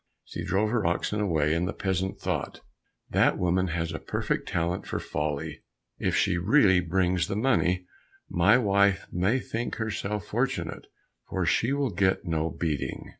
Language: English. She drove her oxen away, and the peasant thought, "That woman has a perfect talent for folly, if she really brings the money, my wife may think herself fortunate, for she will get no beating."